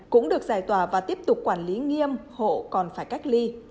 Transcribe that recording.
cũng được giải tỏa và tiếp tục quản lý nghiêm hộ còn phải cách ly